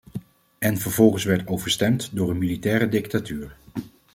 En vervolgens werd overstemd door een militaire dictatuur.